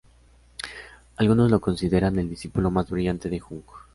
Algunos lo consideran el discípulo más brillante de Jung.